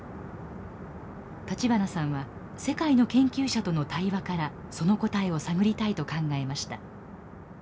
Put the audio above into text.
立花さんは世界の研究者との対話からその答えを探りたいと考えました。